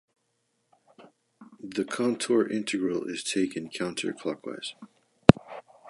The contour integral is taken counter-clockwise.